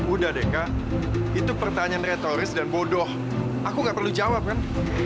udah deh kak itu pertanyaan retoris dan bodoh aku nggak perlu jawab kan